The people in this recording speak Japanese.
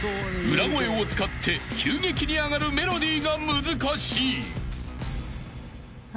［裏声を使って急激に上がるメロディーが難しい］